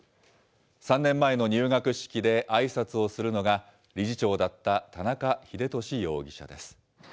３年前の入学式であいさつをするのが、理事長だった田中英壽容疑者です。